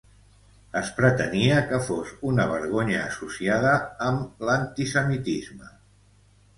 Es pretenia que fos una vergonya associada amb l'antisemitisme.